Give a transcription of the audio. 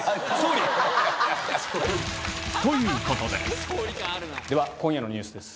ということででは今夜のニュースです。